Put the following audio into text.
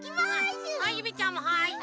ゆめちゃんもはい！